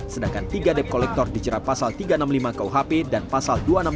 sedangkan tiga dep kolektor dijerat pasal tiga ratus enam puluh lima kuhp dan pasal dua ratus enam puluh